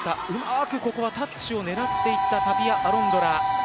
うまくここはタッチを狙っていったタピア・アロンドラ。